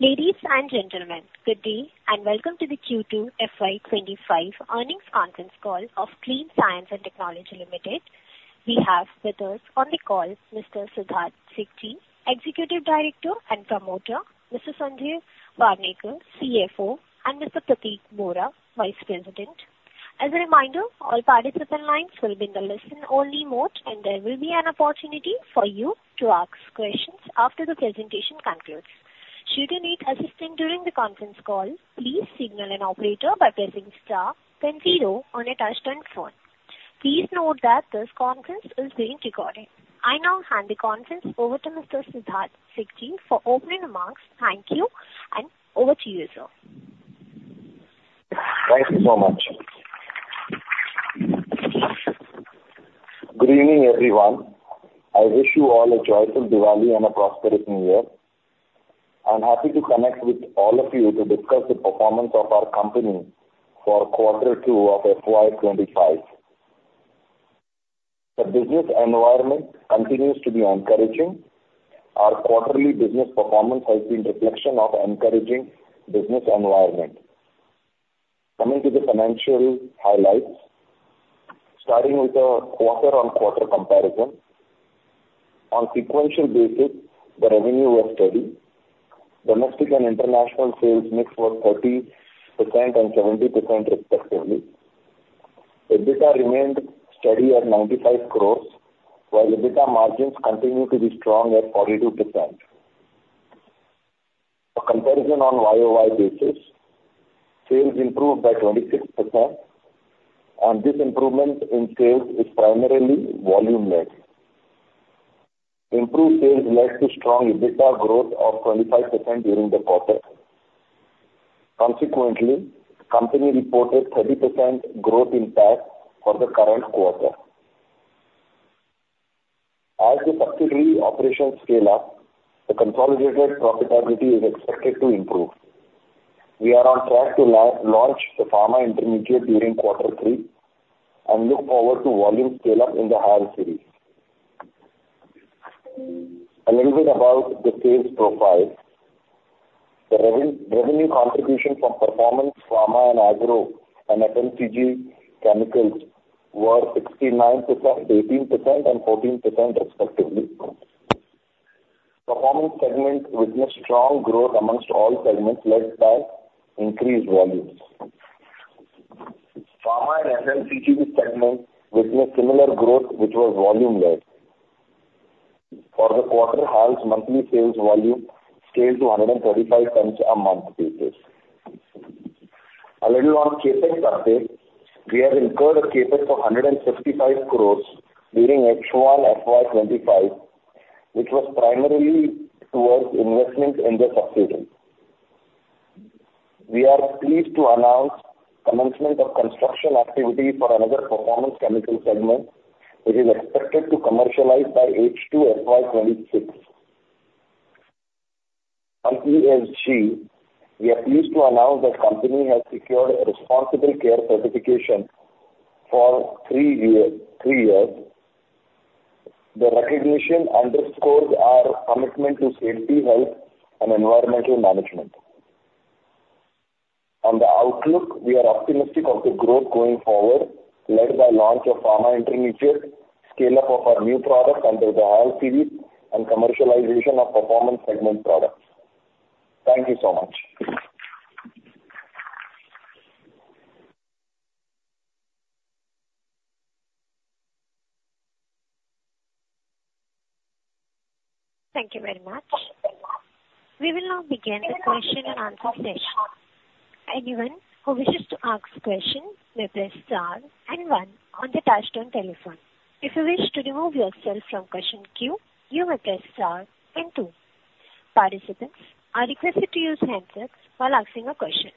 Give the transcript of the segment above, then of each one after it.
Ladies and gentlemen, good day and welcome to the Q2 FY25 earnings conference call of Clean Science and Technology Limited. We have with us on the call Mr. Siddharth Sikchi, Executive Director and Promoter, Mr. Sanjay Bere, CFO, and Mr. Pratik Bora, Vice President. As a reminder, all participant lines will be in the listen-only mode, and there will be an opportunity for you to ask questions after the presentation concludes. Should you need assistance during the conference call, please signal an operator by pressing star then zero on a touch-tone phone. Please note that this conference is being recorded. I now hand the conference over to Mr. Siddharth Sikchi for opening remarks. Thank you, and over to you, sir. Thank you so much. Good evening, everyone. I wish you all a joyful Diwali and a prosperous New Year. I'm happy to connect with all of you to discuss the performance of our company for Quarter 2 of FY25. The business environment continues to be encouraging. Our quarterly business performance has been a reflection of an encouraging business environment. Coming to the financial highlights, starting with a quarter-on-quarter comparison, on a sequential basis, the revenues were steady. Domestic and international sales mix were 30% and 70%, respectively. EBITDA remained steady at 95 crores, while EBITDA margins continued to be strong at 42%. For comparison on YOY basis, sales improved by 26%, and this improvement in sales is primarily volume-led. Improved sales led to strong EBITDA growth of 25% during the quarter. Consequently, the company reported a 30% growth in PAT for the current quarter. As the subsidiary operations scale up, the consolidated profitability is expected to improve. We are on track to launch the pharma intermediate during Quarter 3 and look forward to volume scale-up in the HALS series. A little bit about the sales profile. The revenue contribution from performance pharma and agro and FMCG chemicals were 69%, 18%, and 14%, respectively. Performance segment witnessed strong growth among all segments led by increased volumes. Pharma and FMCG segment witnessed similar growth, which was volume-led. For the quarter, HALS monthly sales volume scaled to 135 tons a month basis. A little on CAPEX update. We have incurred a CAPEX of 155 crores during H1 FY25, which was primarily towards investment in the subsidiary. We are pleased to announce the commencement of construction activity for another performance chemical segment, which is expected to commercialize by H2 FY26. On ESG, we are pleased to announce that the company has secured a Responsible Care certification for three years. The recognition underscores our commitment to safety, health, and environmental management. On the outlook, we are optimistic about the growth going forward, led by the launch of pharma intermediate, scale-up of our new products under the HALS series, and commercialization of performance segment products. Thank you so much. Thank you very much. We will now begin the question-and-answer session. Anyone who wishes to ask a question may press star and one on the touch-tone telephone. If you wish to remove yourself from question queue, you may press star and two. Participants are requested to use handsets while asking a question.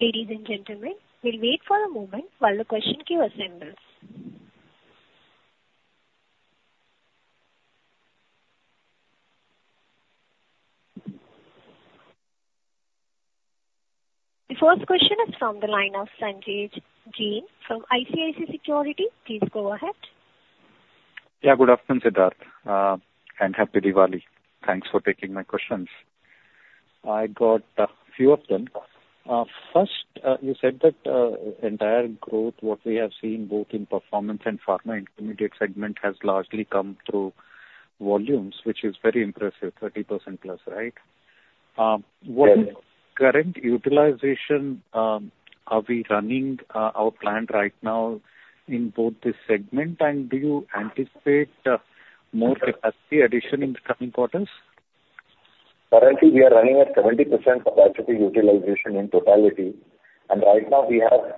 Ladies and gentlemen, we'll wait for a moment while the question queue assembles. The first question is from the line of Sanjay Jain from ICICI Securities. Please go ahead. Yeah, good afternoon, Siddharth, and happy Diwali. Thanks for taking my questions. I got a few of them. First, you said that the entire growth, what we have seen both in performance and pharma intermediate segment, has largely come through volumes, which is very impressive, 30% plus, right? What is the current utilization? Are we running our plant right now in both this segment, and do you anticipate more capacity addition in the coming quarters? Currently, we are running at 70% capacity utilization in totality, and right now we have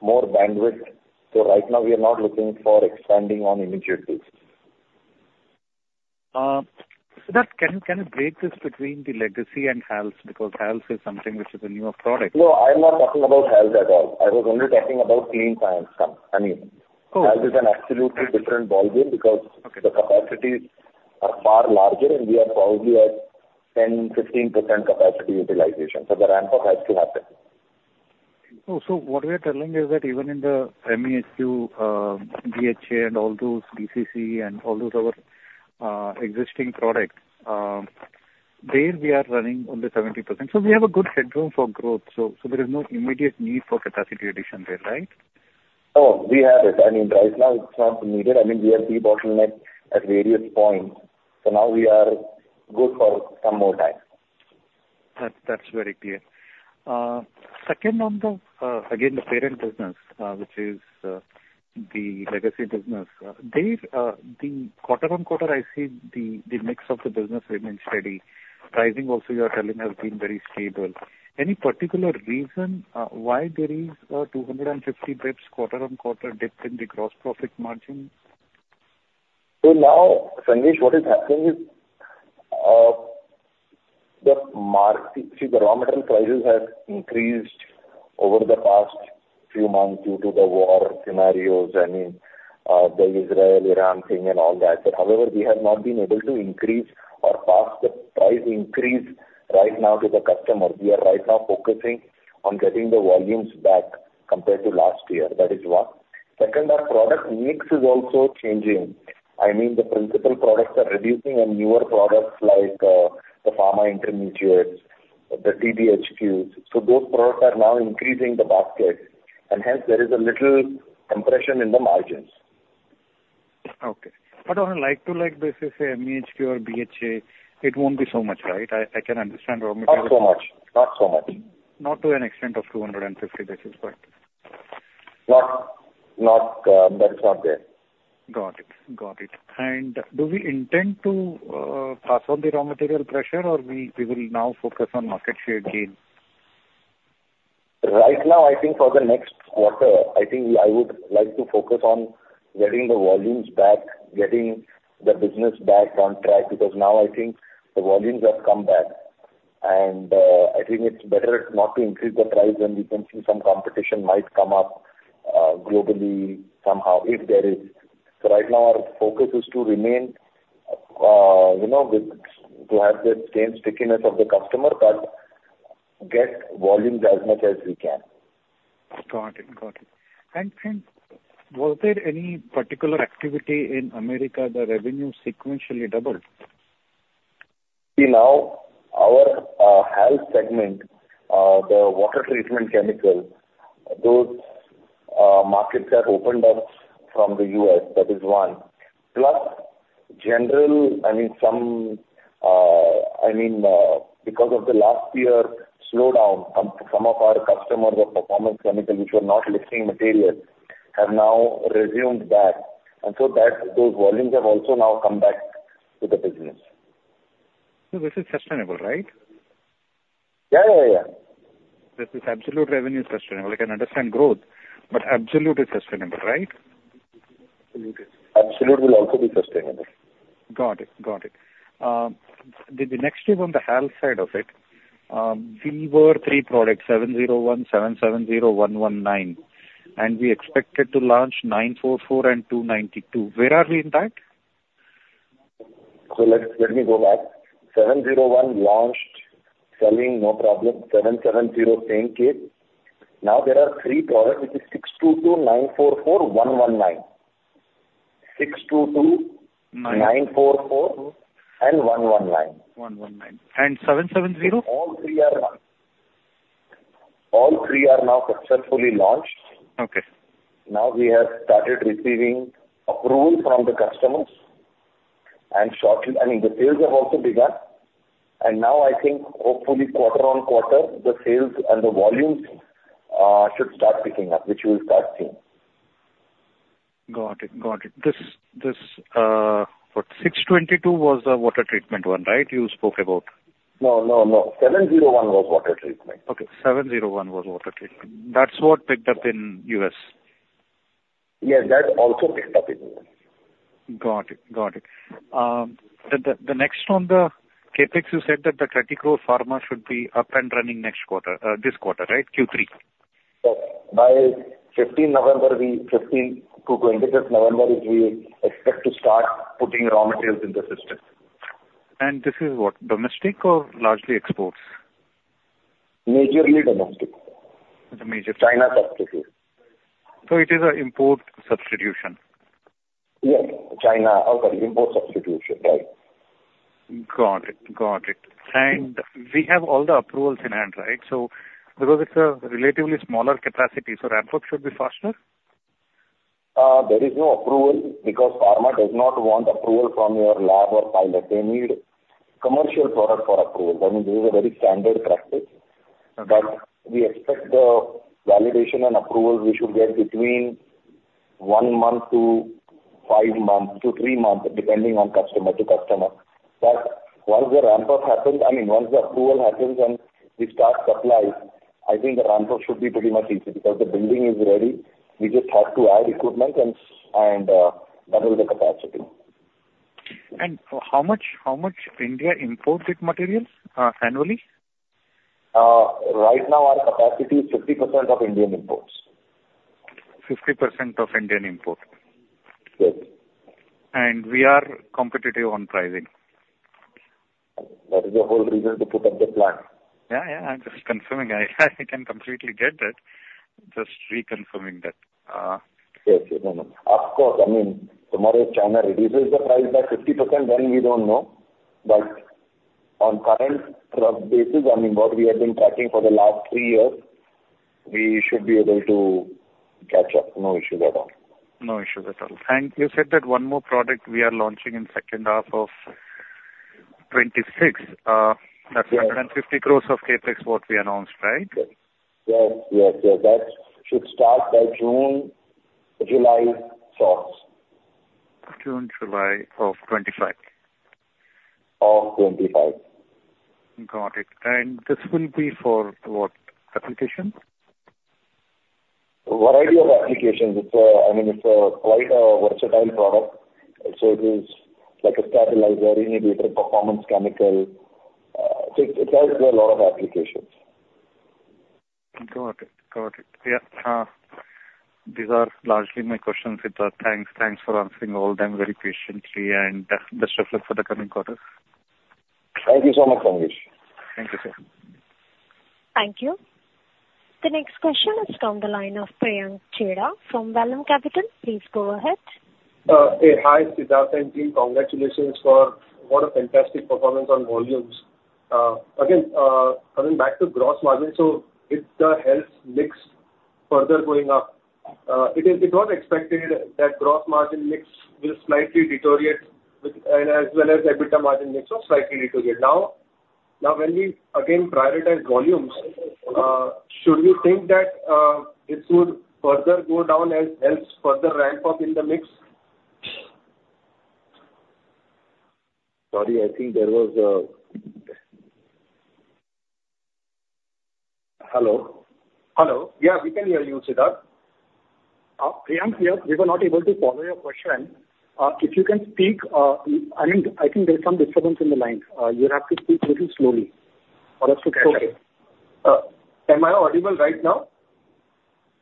more bandwidth. So right now, we are not looking for expanding on immediate use. Siddharth, can you break this between the legacy and HALS? Because HALS is something which is a newer product. No, I'm not talking about HALS at all. I was only talking about Clean Science. I mean, HALS is an absolutely different ballgame because the capacities are far larger, and we are probably at 10%-15% capacity utilization. So the ramp-up has to happen. Oh, so what we are telling is that even in the MEHQ, BHA, and all those DCC, and all those other existing products, there we are running on the 70%. So we have a good headroom for growth. So there is no immediate need for capacity addition there, right? Oh, we have it. I mean, right now, it's not needed. I mean, we have de-bottlenecked at various points. So now we are good for some more time. That's very clear. Second on the, again, the parent business, which is the legacy business, the quarter-on-quarter, I see the mix of the business remains steady. Pricing, also, you are telling has been very stable. Any particular reason why there is a 250 basis points quarter-on-quarter dip in the gross profit margin? So now, Sanjay, what is happening is the market, see, the raw material prices have increased over the past few months due to the war scenarios. I mean, the Israel-Iran thing and all that. But however, we have not been able to increase or pass the price increase right now to the customers. We are right now focusing on getting the volumes back compared to last year. That is one. Second, our product mix is also changing. I mean, the principal products are reducing and newer products like the pharma intermediates, the TBHQs. So those products are now increasing the basket, and hence, there is a little compression in the margins. Okay. But on a like-to-like basis, MEHQ or BHA, it won't be so much, right? I can understand raw materials. Not so much. Not so much. Not to an extent of 250 basis, but. Not that far there. Got it. Got it. And do we intend to pass on the raw material pressure, or we will now focus on market share gain? Right now, I think for the next quarter, I think I would like to focus on getting the volumes back, getting the business back on track because now I think the volumes have come back, and I think it's better not to increase the price when we can see some competition might come up globally somehow, if there is, so right now, our focus is to remain with, to have the same stickiness of the customer, but get volumes as much as we can. Got it. Got it. And was there any particular activity in America? The revenue sequentially doubled. See, now our HALS segment, the water treatment chemical, those markets have opened up in the US. That is one. Plus, generally, I mean, some, because of the last year slowdown, some of our customers of performance chemical, which were not lifting material, have now resumed back. And so those volumes have also now come back to the business. This is sustainable, right? Yeah, yeah, yeah. This is absolute revenue sustainable. I can understand growth, but absolute is sustainable, right? Absolute is sustainable. Got it. Got it. The next is on the HALS side of it. We have three products, 701, 770, 119, and we expected to launch 944 and 292. Where are we in that? Let me go back. 701 launched, selling, no problem. 770 staying steady. Now there are three products, which is 622, 944, 119. 622, 944, and 119. 119. And 770? All three are now successfully launched. Now we have started receiving approval from the customers. And shortly, I mean, the sales have also begun. And now I think, hopefully, quarter on quarter, the sales and the volumes should start picking up, which we'll start seeing. Got it. Got it. This 622 was the water treatment one, right, you spoke about? No, no, no. 701 was water treatment. Okay. 701 was water treatment. That's what picked up in U.S.? Yes, that also picked up in U.S. Got it. Got it. The next on the CapEx, you said that the INR 30 crore pharma should be up and running next quarter, this quarter, right? Q3? Yes. By 15 November, 15 to 26 November is we expect to start putting raw materials in the system. This is what, domestic or largely exports? Majorly domestic. The major? China substitute. So it is an import substitution? Yes, China. Oh, sorry, import substitution, right? Got it. Got it. And we have all the approvals in hand, right? So because it's a relatively smaller capacity, so ramp-up should be faster? There is no approval because pharma does not want approval from your lab or pilot. They need commercial product for approval. I mean, this is a very standard practice. But we expect the validation and approval we should get between one month to five months to three months, depending on customer to customer. But once the ramp-up happens, I mean, once the approval happens and we start supplies, I think the ramp-up should be pretty much easy because the building is ready. We just have to add equipment and double the capacity. How much India imports its materials annually? Right now, our capacity is 50% of Indian imports. 50% of Indian import. Yes. We are competitive on pricing. That is the whole reason to put up the plan. Yeah, yeah. I'm just confirming. I can completely get that. Just reconfirming that. Yes, yes, no, no. Of course, I mean, tomorrow China reduces the price by 50%, then we don't know. But on current basis, I mean, what we have been tracking for the last three years, we should be able to catch up. No issues at all. No issues at all. And you said that one more product we are launching in second half of 2026. That's 150 crores of CapEx, what we announced, right? Yes, yes, yes. That should start by June, July, source. June, July of 2025? Of '25. Got it. And this will be for what application? Variety of applications. I mean, it's quite a versatile product. So it is like a stabilizer, inhibitor, performance chemical. So it has a lot of applications. Got it. Got it. Yeah. These are largely my questions, Siddharth. Thanks for answering all them very patiently and best of luck for the coming quarters. Thank you so much, Sanjay. Thank you, sir. Thank you. The next question is from the line of Priyank Chheda from Vallum Capital. Please go ahead. Hey, hi, Siddharth and team. Congratulations for what a fantastic performance on volumes. Again, coming back to gross margin, so with the HALS mix further going up, it was expected that gross margin mix will slightly deteriorate as well as EBITDA margin mix was slightly deteriorate. Now, when we again prioritize volumes, should we think that this would further go down as HALS further ramp up in the mix? Sorry, I think there was a hello? Hello. Yeah, we can hear you, Siddharth. Priyank here. We were not able to follow your question. If you can speak, I mean, I think there's some disturbance in the line. You have to speak a little slowly for us to catch up. Sorry. Am I audible right now?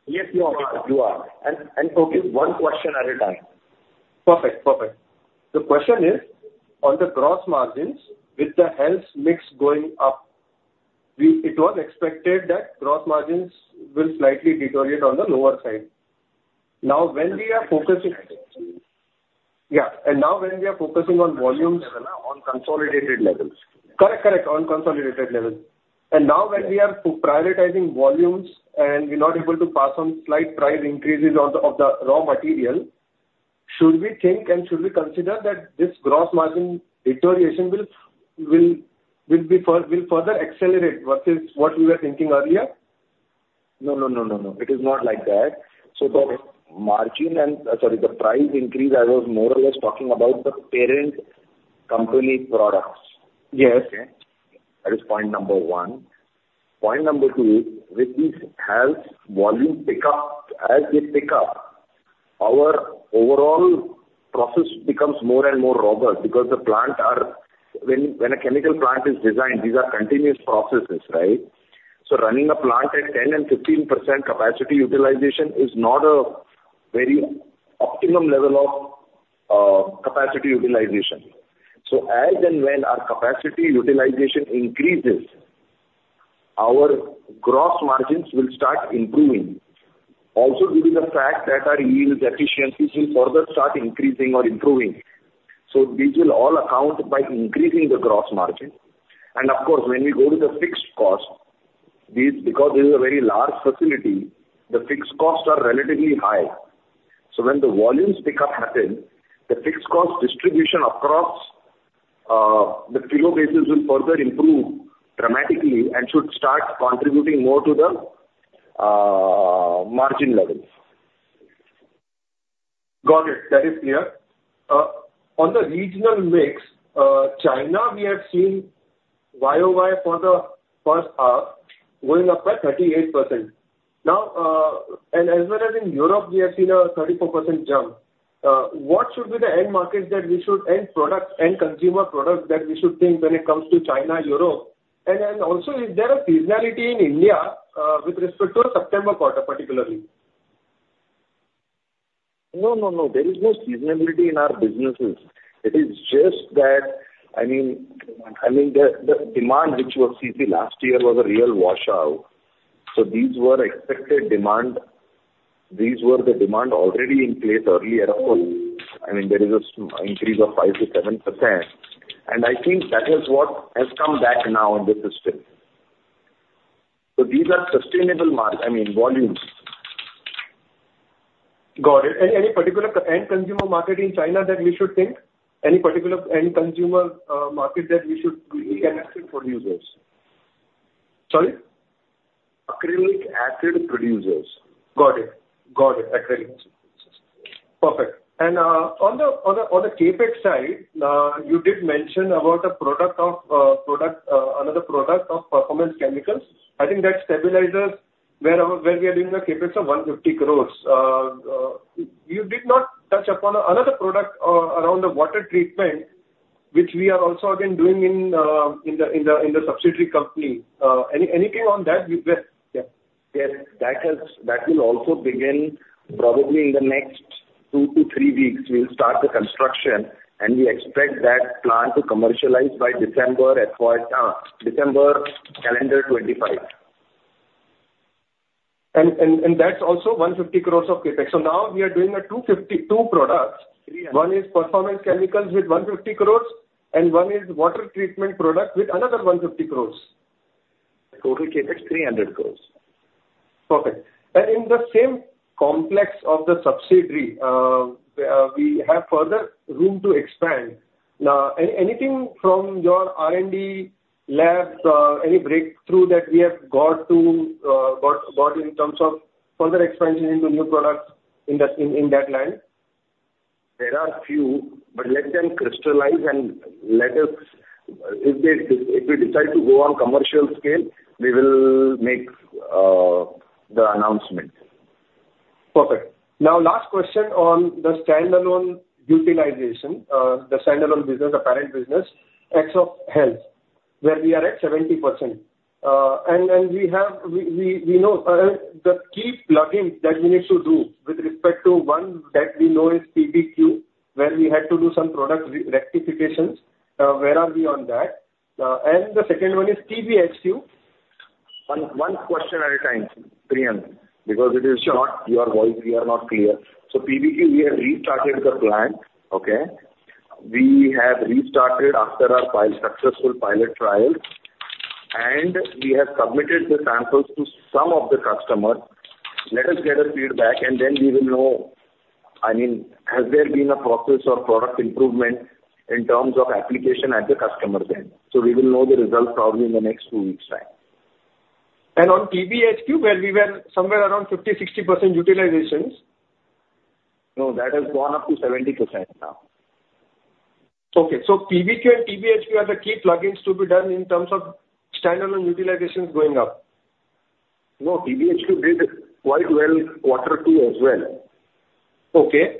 Yes, you are audible. You are, and focus one question at a time. Perfect. Perfect. The question is, on the gross margins, with the HALS mix going up, it was expected that gross margins will slightly deteriorate on the lower side. Now, when we are focusing yeah, and now, when we are focusing on volumes. On consolidated levels. Correct, correct. On consolidated levels. And now, when we are prioritizing volumes and we're not able to pass on slight price increases of the raw material, should we think and should we consider that this gross margin deterioration will further accelerate versus what we were thinking earlier? No, no, no, no, no. It is not like that. So the margin and sorry, the price increase, I was more or less talking about the parent company products. Yes. Okay? That is point number one. Point number two is, with these HALS volume pickup, as they pick up, our overall process becomes more and more robust because the plant are when a chemical plant is designed, these are continuous processes, right? So running a plant at 10% and 15% capacity utilization is not a very optimum level of capacity utilization. So as and when our capacity utilization increases, our gross margins will start improving. Also, due to the fact that our yield efficiencies will further start increasing or improving. So these will all account by increasing the gross margin. And of course, when we go to the fixed cost, because this is a very large facility, the fixed costs are relatively high. When the volumes pick up happen, the fixed cost distribution across the kilo basis will further improve dramatically and should start contributing more to the margin levels. Got it. That is clear. On the regional mix, China, we have seen YOY for the first half going up by 38%. Now, and as well as in Europe, we have seen a 34% jump. What should be the end markets, end products, end consumer products that we should think when it comes to China, Europe? And then also, is there a seasonality in India with respect to September quarter, particularly? No, no, no. There is no seasonality in our businesses. It is just that, I mean, the demand which you have seen last year was a real washout. So these were expected demand. These were the demand already in place earlier. I mean, there is an increase of 5%-7%. And I think that is what has come back now in the system. So these are sustainable market, I mean, volumes. Got it. Any particular end consumer market in China that we should think? Any particular end consumer market that we can expect producers? Sorry? acrylic acid producers. Got it. Got it. acrylic acid producers. Perfect. And on the CAPEX side, you did mention about another product of performance chemicals. I think that stabilizers where we are doing the CAPEX of 150 crore. You did not touch upon another product around the water treatment, which we are also again doing in the subsidiary company. Anything on that? Yes. That will also begin probably in the next two to three weeks. We'll start the construction, and we expect that plant to commercialize by December calendar 2025. And that's also 150 crores of CapEx. So now we are doing two projects. One is Performance Chemicals with 150 crores, and one is water treatment product with another 150 crores. Total CAPEX 300 crores. Perfect. And in the same complex of the subsidiary, we have further room to expand. Anything from your R&D lab, any breakthrough that we have got in terms of further expansion into new products in that line? There are a few, but let them crystallize and let us if we decide to go on commercial scale, we will make the announcement. Perfect. Now, last question on the standalone utilization, the standalone business, the parent business, ex-HALS, where we are at 70%. And we know the key plug-in that we need to do with respect to one that we know is PBQ, where we had to do some product rectifications. Where are we on that? And the second one is TBHQ. One question at a time, Priyank, because it is not your voice. We are not clear. So PBQ, we have restarted the plan, okay? We have restarted after our successful pilot trials, and we have submitted the samples to some of the customers. Let us get a feedback, and then we will know, I mean, has there been a process or product improvement in terms of application at the customer's end? So we will know the result probably in the next two weeks' time. On TBHQ, where we were somewhere around 50-60% utilization? No, that has gone up to 70% now. Okay. So PBQ and TBHQ are the key plug-ins to be done in terms of standalone utilizations going up. No, TBHQ did quite well quarter two as well. Okay.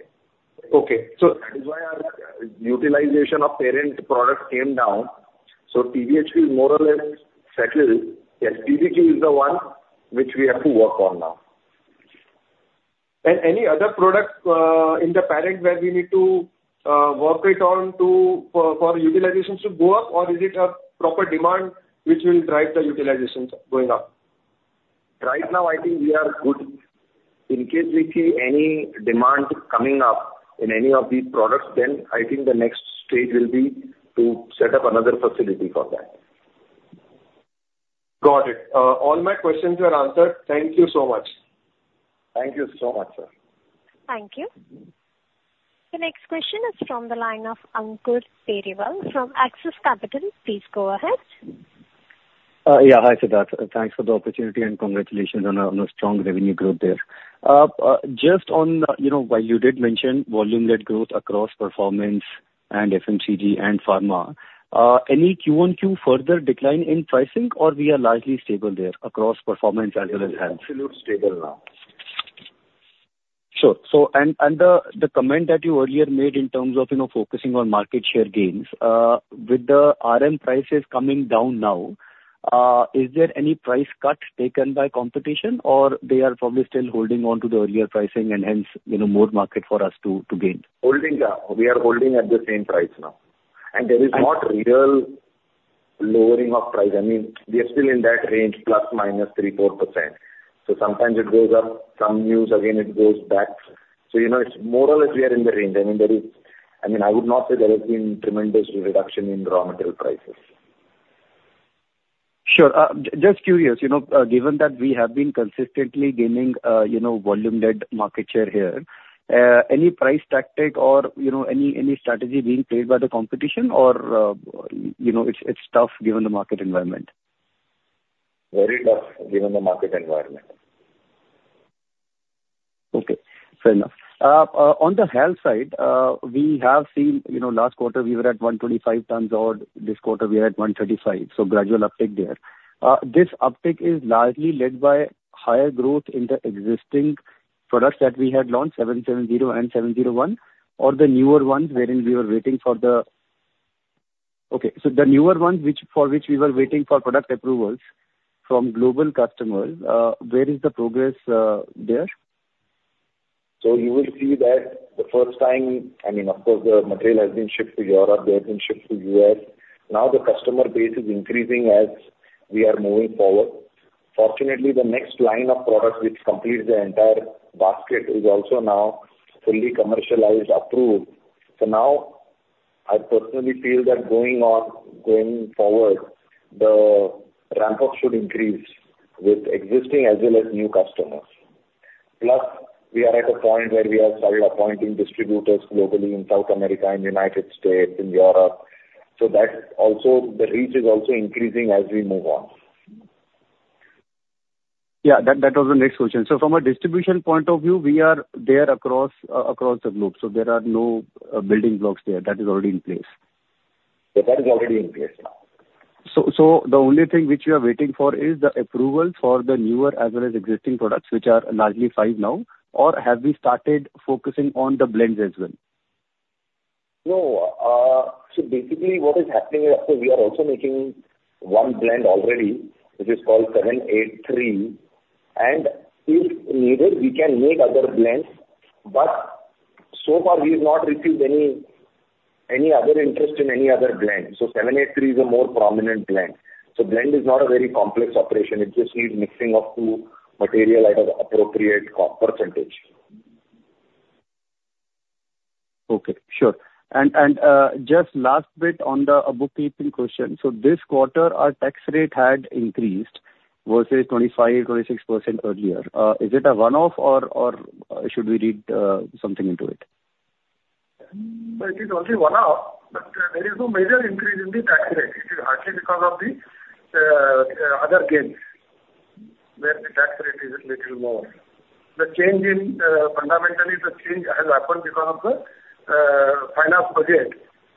So. That is why our utilization of parent products came down. So TBHQ is more or less settled. Yes, PBQ is the one which we have to work on now. Any other product in the parent where we need to work it on for utilizations to go up, or is it a proper demand which will drive the utilizations going up? Right now, I think we are good. In case we see any demand coming up in any of these products, then I think the next stage will be to set up another facility for that. Got it. All my questions were answered. Thank you so much. Thank you so much, sir. Thank you. The next question is from the line of Ankur Periwal from Axis Capital. Please go ahead. Yeah, hi Siddharth. Thanks for the opportunity and congratulations on a strong revenue growth there. Just on why you did mention volume-led growth across performance and FMCG and pharma, any Q1-Q2 further decline in pricing, or we are largely stable there across performance as well as HALS? Absolutely stable now. Sure. So and the comment that you earlier made in terms of focusing on market share gains, with the RM prices coming down now, is there any price cut taken by competition, or they are probably still holding on to the earlier pricing and hence more market for us to gain? Holding. We are holding at the same price now. And there is no real lowering of price. I mean, we are still in that range, plus minus 3-4%. So sometimes it goes up. Some news, again, it goes back. So more or less, we are in the range. I mean, I would not say there has been tremendous reduction in raw material prices. Sure. Just curious, given that we have been consistently gaining volume-led market share here, any price tactic or any strategy being played by the competition, or it's tough given the market environment? Very tough given the market environment. Okay. Fair enough. On the HALS side, we have seen last quarter we were at 125 tons odd. This quarter, we are at 135. So gradual uptake there. This uptake is largely led by higher growth in the existing products that we had launched, 770 and 701, or the newer ones wherein we were waiting for the okay. So the newer ones for which we were waiting for product approvals from global customers, where is the progress there? So you will see that the first time, I mean, of course, the material has been shipped to Europe. They have been shipped to the US. Now the customer base is increasing as we are moving forward. Fortunately, the next line of products which completes the entire basket is also now fully commercialized, approved. So now, I personally feel that going forward, the ramp-up should increase with existing as well as new customers. Plus, we are at a point where we have started appointing distributors globally in South America, in the United States, in Europe. So that's also the reach is also increasing as we move on. Yeah, that was the next question. So from a distribution point of view, we are there across the group. So there are no building blocks there. That is already in place. So that is already in place now. So the only thing which we are waiting for is the approval for the newer as well as existing products, which are largely five now, or have we started focusing on the blends as well? No. So basically, what is happening is, of course, we are also making one blend already, which is called 783. And if needed, we can make other blends. But so far, we have not received any other interest in any other blend. So 783 is a more prominent blend. So blend is not a very complex operation. It just needs mixing of two material at an appropriate percentage. Okay. Sure. And just last bit on the bookkeeping question. So this quarter, our tax rate had increased versus 25%-26% earlier. Is it a one-off, or should we read something into it? It is only one-off, but there is no major increase in the tax rate. It is largely because of the other gains where the tax rate is a little more. The change has happened because of the finance budget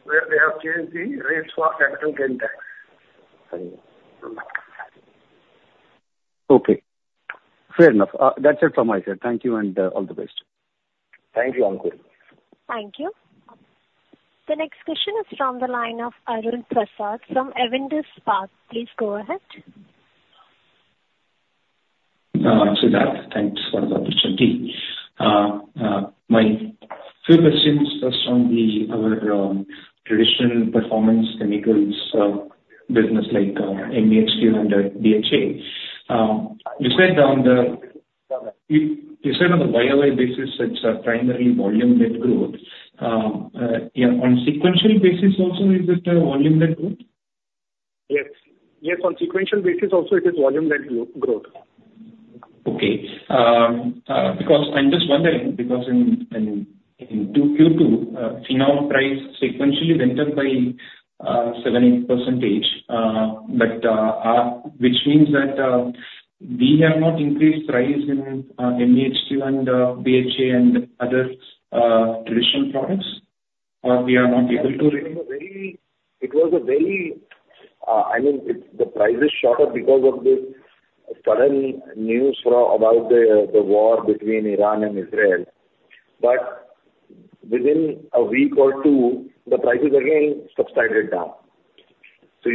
where they have changed the rates for capital gain tax. Okay. Fair enough. That's it from my side. Thank you and all the best. Thank you, Ankur. Thank you. The next question is from the line of Arun Prasad. From Avendus Spark, please go ahead. Siddharth, thanks for the opportunity. My few questions first on our traditional performance chemicals business like MEHQ and BHA. You said on the YOY basis, it's primarily volume-led growth. On sequential basis also, is it volume-led growth? Yes. Yes. On sequential basis also, it is volume-led growth. Okay. Because I'm just wondering, because in Q2, phenol price sequentially went up by 7%-8%, which means that we have not increased price in MEHQ and BHA and other traditional products, or we are not able to? It was a very, I mean, the prices shot up because of this sudden news about the war between Iran and Israel. But within a week or two, the prices again subsided down. So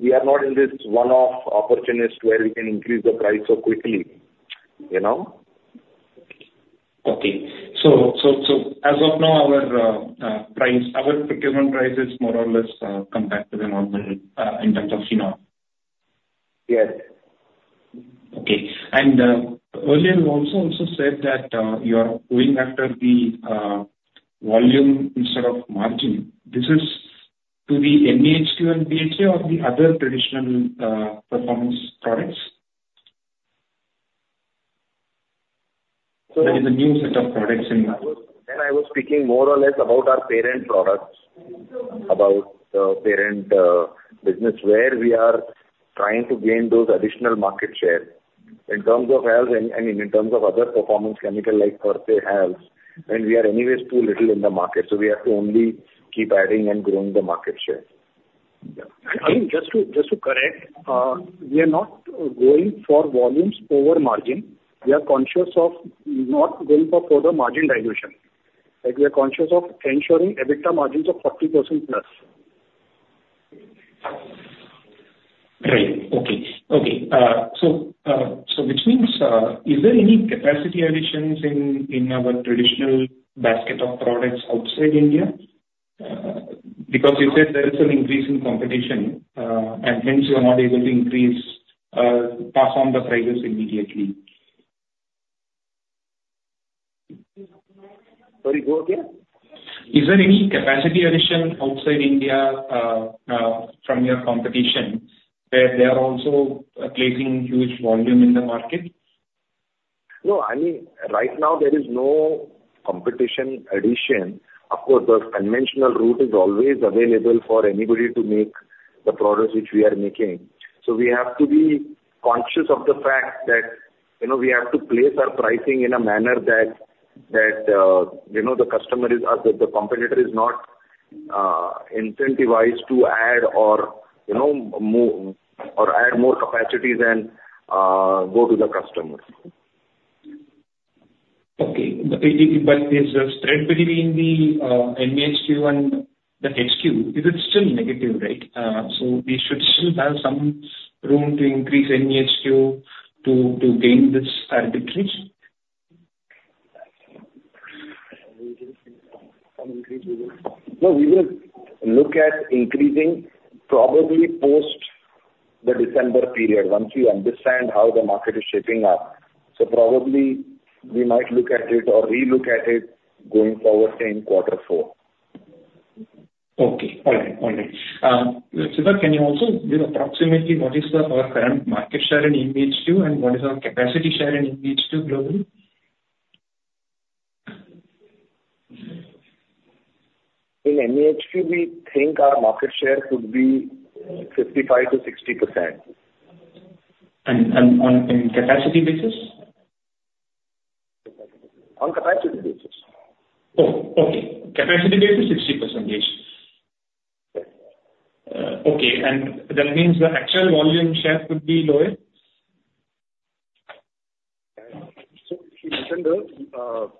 we are not in this one-off opportunity where we can increase the price so quickly. Okay, so as of now, our procurement price is more or less compatible in terms of phenol? Yes. Okay. And earlier, you also said that you are going after the volume instead of margin. This is to the MEHQ and BHA or the other traditional performance products? There is a new set of products in. I was speaking more or less about our pharma products, about the pharma business where we are trying to gain those additional market share. In terms of HALS, I mean, in terms of other performance chemical like other HALS, and we are anyways too little in the market. So we have to only keep adding and growing the market share. I mean, just to correct, we are not going for volumes over margin. We are conscious of not going for further margin dilution. We are conscious of ensuring EBITDA margins of 40% plus. Right. Okay. So which means is there any capacity additions in our traditional basket of products outside India? Because you said there is an increase in competition, and hence you are not able to pass on the prices immediately. Sorry, go again? Is there any capacity addition outside India from your competition where they are also placing huge volume in the market? No. I mean, right now, there is no competition addition. Of course, the conventional route is always available for anybody to make the products which we are making. So we have to be conscious of the fact that we have to place our pricing in a manner that the competitor is not incentivized to add or add more capacities and go to the customers. Okay. The PBQ price is spread between the MEHQ and the HQ. Is it still negative, right? So we should still have some room to increase MEHQ to gain this arbitrage? No. We will look at increasing probably post the December period once we understand how the market is shaping up, so probably we might look at it or relook at it going forward in quarter four. Okay. All right. Siddharth, can you also give approximately what is our current market share in MEHQ and what is our capacity share in MEHQ globally? In MEHQ, we think our market share could be 55%-60%. On a capacity basis? On capacity basis. Oh, okay. Capacity basis, 60%. Okay. And that means the actual volume share could be lower?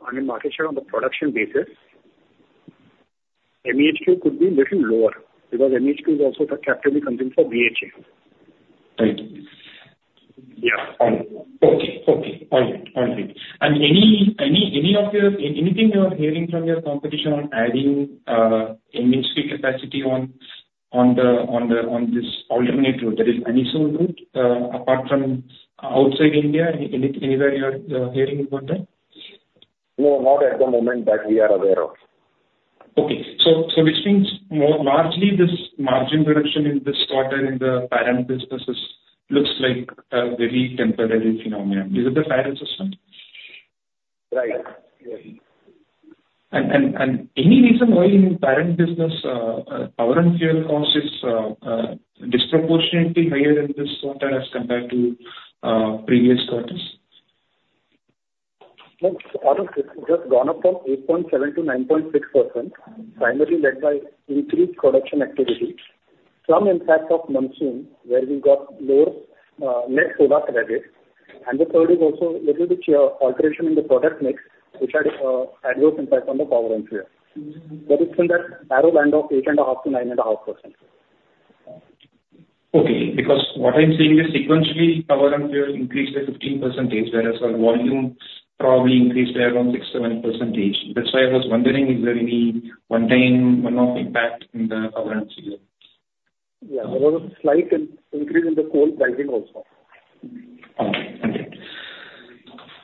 I mean, market share on the production basis, MEHQ could be a little lower because MEHQ is also the capital we're consuming for BHA. And anything you are hearing from your competition on adding MEHQ capacity on this alternate route? Is there any sort of route apart from outside India anywhere you are hearing about that? No, not at the moment that we are aware of. Okay, so which means largely this margin reduction in this quarter in the parent businesses looks like a very temporary phenomenon. Is it the parent segment? Right. Yes. Any reason why in parent business power and fuel cost is disproportionately higher in this quarter as compared to previous quarters? Just gone up from 8.7%-9.6%, primarily led by increased production activity, some impact of monsoon where we got lower net solar credit, and the third is also a little bit alteration in the product mix, which had adverse impact on the power and fuel. But it's in that narrow band of 8.5%-9.5%. Okay. Because what I'm seeing is sequentially power and fuel increased by 15%, whereas our volume probably increased by around 6-7%. That's why I was wondering, is there any one-time one-off impact in the power and fuel? Yeah. There was a slight increase in the coal pricing also. All right. Okay.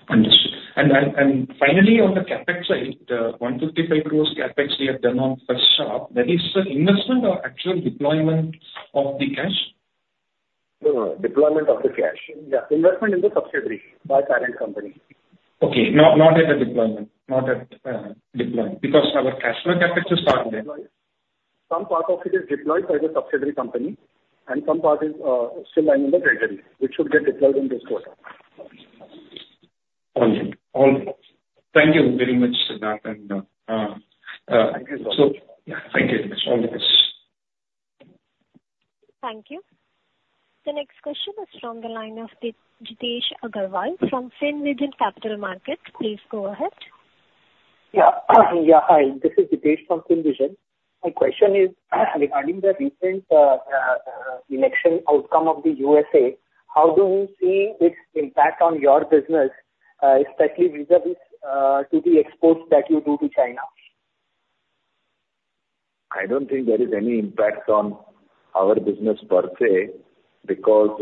Understood. And finally, on the CapEx side, the 155 crores CapEx we have done on first shop, that is the investment or actual deployment of the cash? No, no. Deployment of the cash. Yeah. Investment in the subsidiary by parent company. Okay. Not at the deployment? Not at deployment? Because our cash flow CAPEX is part of it. Some part of it is deployed by the subsidiary company, and some part is still lying in the treasury, which should get deployed in this quarter. All right. All right. Thank you very much, Siddharth, and. Thank you so much. Yeah. Thank you very much. All the best. Thank you. The next question is from the line of Jitesh Agarwal from Finvision Capital Markets. Please go ahead. Yeah. Yeah. Hi. This is Jitesh from Finvision. My question is regarding the recent election outcome of the USA. How do you see its impact on your business, especially vis-à-vis to the exports that you do to China? I don't think there is any impact on our business per se because,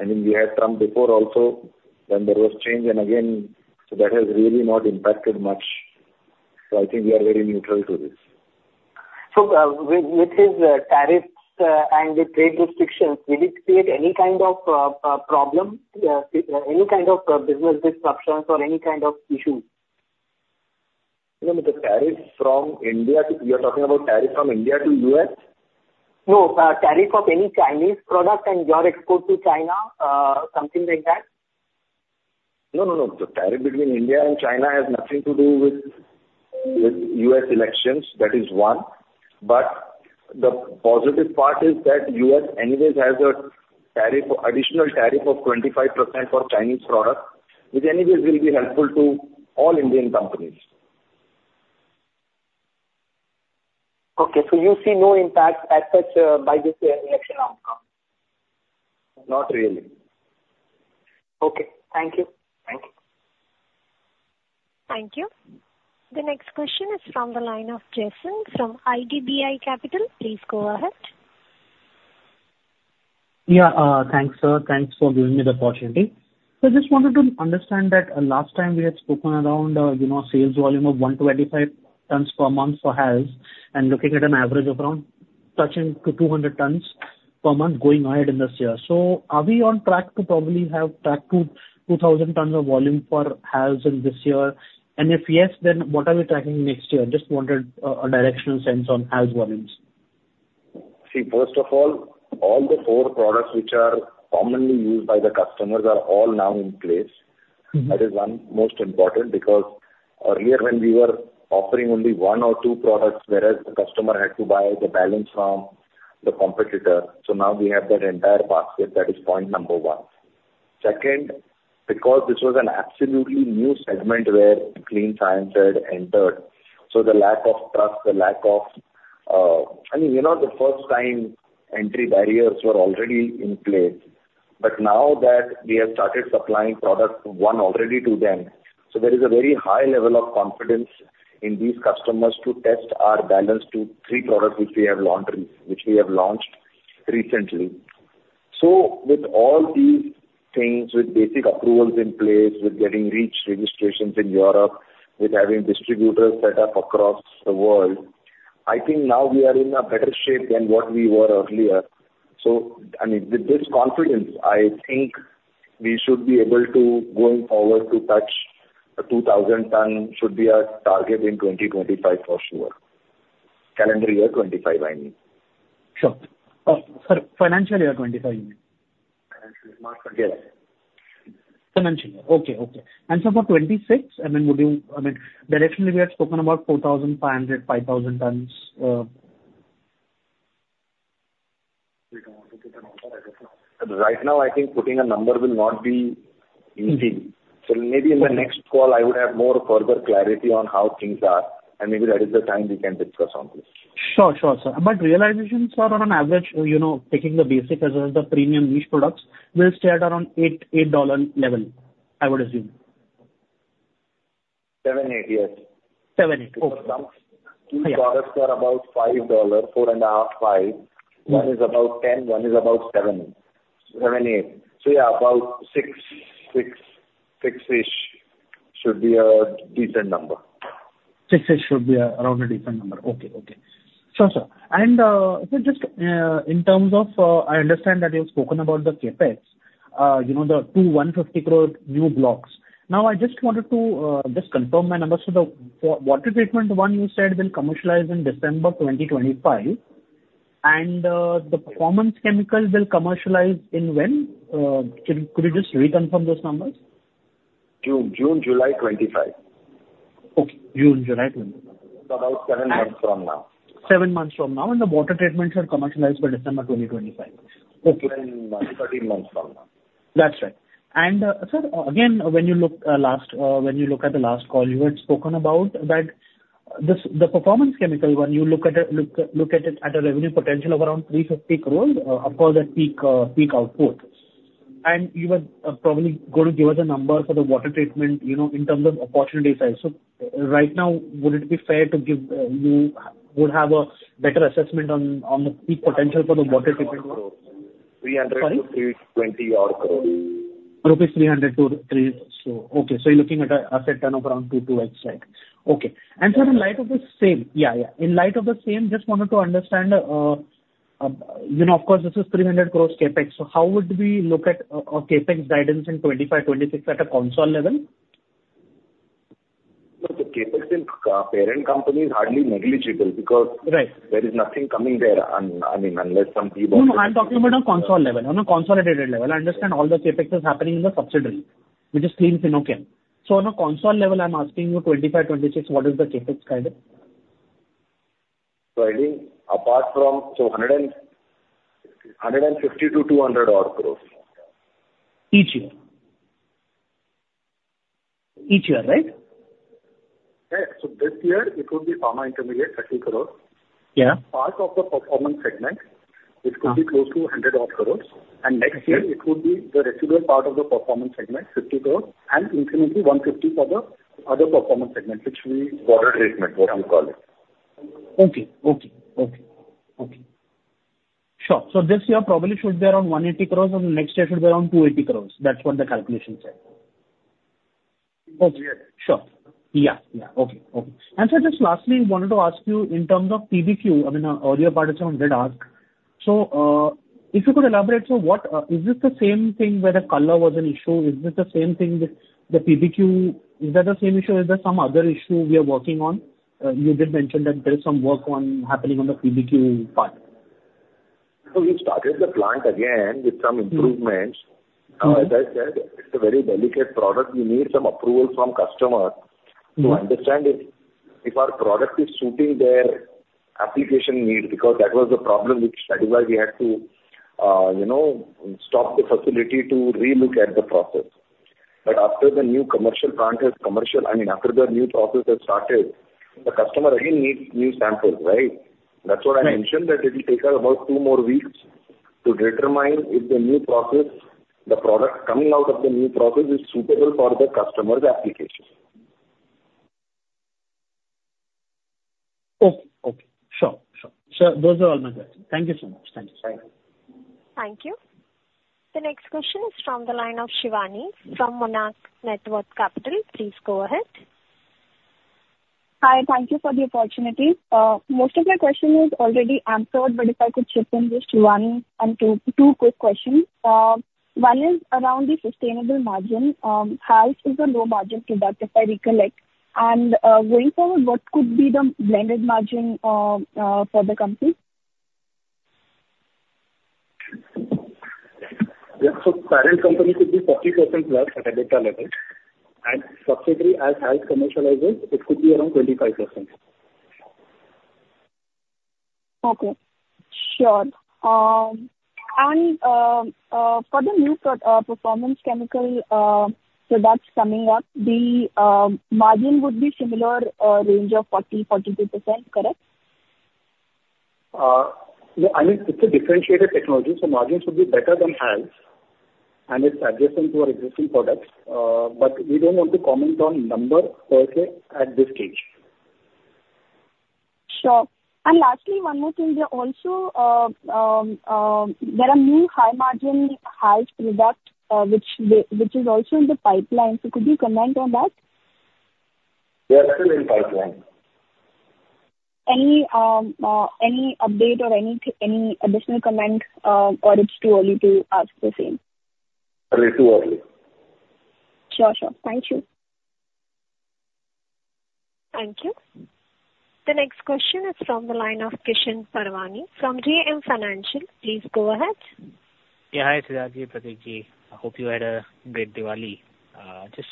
I mean, we had Trump before also, then there was change, and again. So that has really not impacted much. So I think we are very neutral to this. So with his tariffs and the trade restrictions, did it create any kind of problem, any kind of business disruptions, or any kind of issue? No, no. The tariffs from India to—you are talking about tariffs from India to U.S.? No tariff on any Chinese product and your export to China, something like that? No, no, no. The tariff between India and China has nothing to do with U.S. elections. That is one, but the positive part is that U.S. anyways has an additional tariff of 25% for Chinese product, which anyways will be helpful to all Indian companies. Okay. So you see no impact as such by this election outcome? Not really. Okay. Thank you. Thank you. Thank you. The next question is from the line of Jason from IDBI Capital. Please go ahead. Yeah. Thanks, sir. Thanks for giving me the opportunity. So I just wanted to understand that last time we had spoken around a sales volume of 125 tons per month for HALS and looking at an average of around touching 200 tons per month going ahead in this year. So are we on track to probably have tracked to 2,000 tons of volume for HALS in this year? And if yes, then what are we tracking next year? Just wanted a directional sense on HALS volumes. See, first of all, all the four products which are commonly used by the customers are all now in place. That is one most important because earlier when we were offering only one or two products, whereas the customer had to buy the balance from the competitor. So now we have that entire basket. That is point number one. Second, because this was an absolutely new segment where Clean Science had entered, so the lack of trust, the lack of, I mean, the first-time entry barriers were already in place. But now that we have started supplying product one already to them, so there is a very high level of confidence in these customers to test our balance to three products which we have launched recently. So with all these things, with basic approvals in place, with getting REACH registrations in Europe, with having distributors set up across the world, I think now we are in a better shape than what we were earlier. So I mean, with this confidence, I think we should be able to going forward to touch 2,000 tons should be our target in 2025 for sure. Calendar year 2025, I mean. Sure. Sorry. Financial year 2025, you mean? Fiscal year. Yes. Financial year. And so for 26, I mean, would you, I mean, directionally, we had spoken about 4,500-5,000 tons. Right now, I think putting a number will not be easy. So maybe in the next call, I would have more further clarity on how things are, and maybe that is the time we can discuss on this. Sure. Sure, sir. But realizations, sir, on average, taking the basic as well as the premium niche products will stay at around $8 level, I would assume. Seven, eight, yes. 7, 8. Okay. Two products are about $5, $4.5, $5. One is about $10, one is about $7-$8. So yeah, about $6, $6-ish should be a decent number. 6-ish should be around a decent number. Okay. Okay. Sure, sir. And just in terms of, I understand that you have spoken about the CAPEX, the two 150 crore new blocks. Now, I just wanted to just confirm my numbers. So the water treatment one you said will commercialize in December 2025, and the performance chemical will commercialize in when? Could you just reconfirm those numbers? July 25. Okay. June, July 2025. About seven months from now. Seven months from now, and the water treatments are commercialized by December 2025. 10 months, 13 months from now. That's right. And sir, again, when you looked at the last call, you had spoken about that the performance chemical, when you look at it at a revenue potential of around 350 crore, of course, at peak output. And you were probably going to give us a number for the water treatment in terms of opportunity size. So right now, would it be fair to say you would have a better assessment on the peak potential for the water treatment? 320-odd crore. 300-300 rupees. Okay. So you're looking at an asset turnover around 22X, right? Okay. And sir, in light of the same, yeah, yeah. In light of the same, just wanted to understand, of course, this is 300 crores CapEx. So how would we look at CapEx guidance in 25, 26 at a consolidated level? Look, the CapEx in parent companies is hardly negligible because there is nothing coming there. I mean, unless somebody bought it. No, no. I'm talking about a consolidated level. On a consolidated level, I understand all the CapEx is happening in the subsidiary, which is Clean Fino-Chem. So on a consolidated level, I'm asking you 25, 26, what is the CapEx guidance? So I think apart from so 150 crore to 200-odd crore. Each year. Each year, right? So this year, it would be pharma intermediate 30 crores. Part of the performance segment, it could be close to 100-odd crores. And next year, it would be the residual part of the performance segment, 50 crores, and incrementally 150 for the other performance segment, water treatment, what you call it. Okay. Sure. So this year probably should be around 180 crores, and next year should be around 280 crores. That's what the calculation said. Yes. And sir, just lastly, wanted to ask you in terms of PBQ. I mean, earlier part of the call, I did ask. So if you could elaborate, so is this the same thing where the color was an issue? Is this the same thing with the PBQ? Is that the same issue? Is there some other issue we are working on? You did mention that there is some work happening on the PBQ part. We've started the plant again with some improvements. As I said, it's a very delicate product. We need some approval from customers to understand if our product is suiting their application needs because that was the problem which is why we had to stop the facility to re-look at the process. But after the new commercial plant has commercial, I mean, after the new process has started, the customer again needs new samples, right? That's what I mentioned, that it will take us about two more weeks to determine if the new process, the product coming out of the new process, is suitable for the customer's application. Okay. Okay. Sure. Sure. Sir, those are all my questions. Thank you so much. Thank you. Thank you. The next question is from the line of Shivani from Monarch Networth Capital. Please go ahead. Hi. Thank you for the opportunity. Most of my question is already answered, but if I could chip in just one and two quick questions. One is around the sustainable margin. HALS is a low-margin product, if I recollect. And going forward, what could be the blended margin for the company? Yeah. So parent company could be 40% plus at an EBITDA level, and subsidiary as HALS commercializes, it could be around 25%. Okay. Sure. And for the new performance chemical products coming up, the margin would be similar range of 40%-42%, correct? Yeah. I mean, it's a differentiated technology, so margins would be better than HALS, and it's adjacent to our existing products. But we don't want to comment on number per se at this stage. Sure. And lastly, one more thing. Also, there are new high-margin HALS products which is also in the pipeline. So could you comment on that? Yeah. It's still in the pipeline. Any update or any additional comment, or it's too early to ask the same? A little too early. Sure. Sure. Thank you. Thank you. The next question is from the line of Krishan Parwani from JM Financial. Please go ahead. Yeah. Hi, Siddharth ji, Pratik ji. I hope you had a great Diwali. Just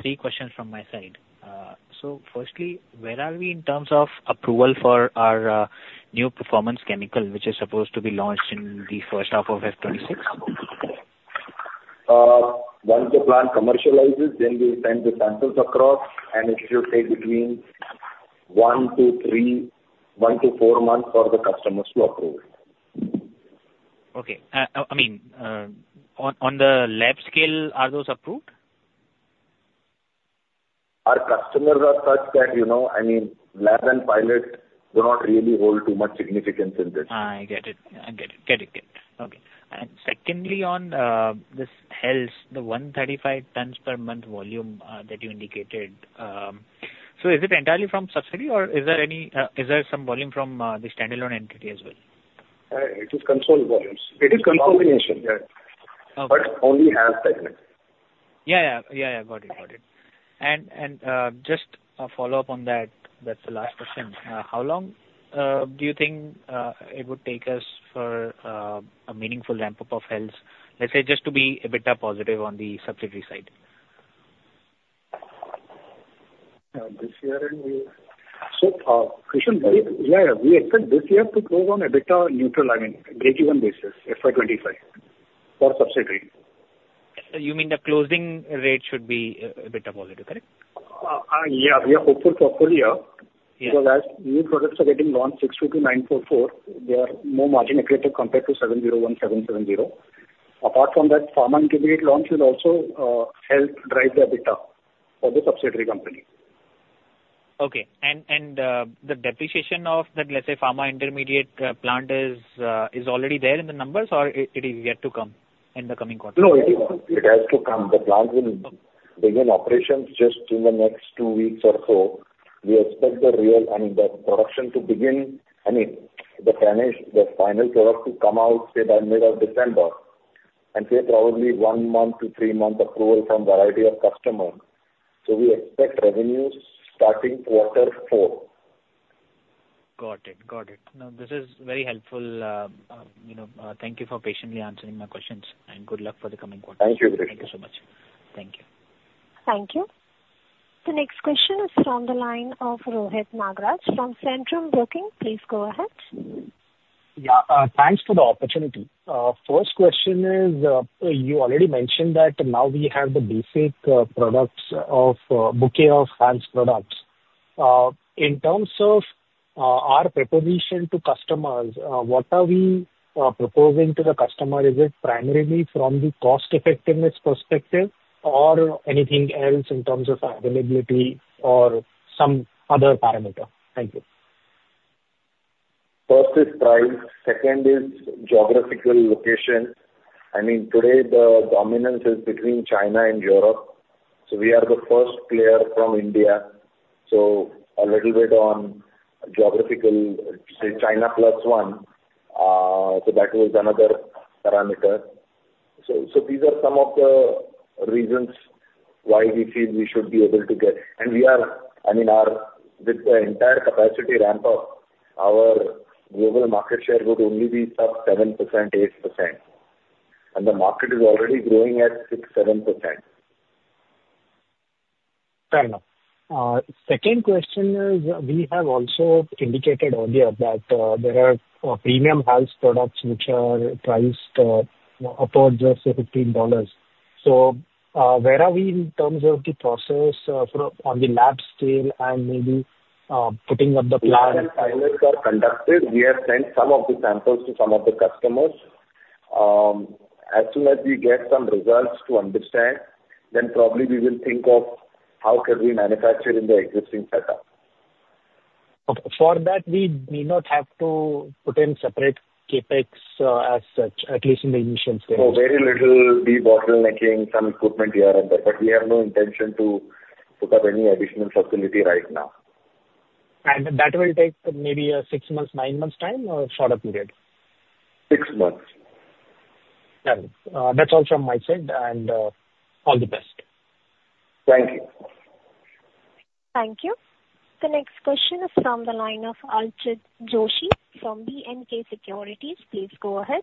three questions from my side. So firstly, where are we in terms of approval for our new performance chemical, which is supposed to be launched in the first half of FY26? Once the plant commercializes, then we'll send the samples across, and it should take between one to four months for the customers to approve it. Okay. I mean, on the lab scale, are those approved? Our customers are such that, I mean, lab and pilot do not really hold too much significance in this. I get it. Okay. And secondly, on this HALS, the 135 tons per month volume that you indicated, so is it entirely from subsidiary, or is there some volume from the standalone entity as well? It is consolidated. It is consolidation. Yeah. But only HALS segment. Yeah. Got it. And just a follow-up on that, that's the last question. How long do you think it would take us for a meaningful ramp-up of HALS, let's say just to be a bit positive on the subsidiary side? This year, we—so Kishan, Pratik ji, we expect this year to close on a EBITDA neutral, I mean, break-even basis, FY25, for subsidiary. You mean the closing rate should be a EBITDA positive, correct? Yeah. We are hopeful for full year because as new products are getting launched, HALS 622 to HALS 944, they are more margin-accretive compared to HALS 701, HALS 770. Apart from that, pharma intermediate launch will also help drive the EBITDA for the subsidiary company. Okay. And the depreciation of that, let's say, Pharma intermediate plant is already there in the numbers, or it is yet to come in the coming quarter? No, it has to come. The plant will begin operations just in the next two weeks or so. We expect the real - I mean, the production to begin - I mean, the final product to come out, say, by the middle of December, and take probably one month to three months approval from a variety of customers. So we expect revenues starting quarter four. Got it. Got it. No, this is very helpful. Thank you for patiently answering my questions, and good luck for the coming quarter. Thank you, Krishna. Thank you so much. Thank you. Thank you. The next question is from the line of Rohit Nagraj from Centrum Broking. Please go ahead. Yeah. Thanks for the opportunity. First question is, you already mentioned that now we have basically a bouquet of HALS products. In terms of our proposition to customers, what are we proposing to the customer? Is it primarily from the cost-effectiveness perspective or anything else in terms of availability or some other parameter? Thank you. First is price. Second is geographical location. I mean, today, the dominance is between China and Europe. So we are the first player from India. So a little bit on geographical, say, China plus one. So that was another parameter. So these are some of the reasons why we feel we should be able to get. And we are, I mean, with the entire capacity ramp-up, our global market share would only be sub 7%-8%. And the market is already growing at 6%-7%. Fair enough. Second question is, we have also indicated earlier that there are premium HALS products which are priced upwards of $15. So where are we in terms of the process on the lab scale and maybe putting up the plant? As the pilots are conducted, we have sent some of the samples to some of the customers. As soon as we get some results to understand, then probably we will think of how can we manufacture in the existing setup. Okay. For that, we may not have to put in separate CapEx as such, at least in the initial stage. So very little de-bottlenecking, some equipment here and there. But we have no intention to put up any additional facility right now. That will take maybe a six-month, nine-month time, or shorter period? Six months. Fair enough. That's all from my side, and all the best. Thank you. Thank you. The next question is from the line of Archit Joshi from B&K Securities. Please go ahead.